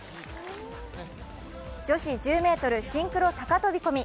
女子１０ｍシンクロ高飛び込み。